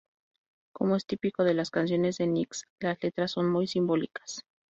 Como es típico de las canciones de Nicks, las letras son muy simbólicas.